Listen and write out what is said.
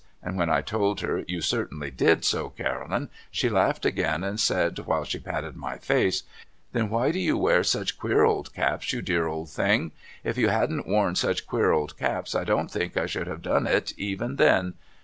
' and when I told her ' You certainly did so Caroline ' she laughed again and said while she patted my face ' Then why do you wear such queer old caps you dear old thing ? If you hadn't worn such queer old caps I don't think I should have done it even then.'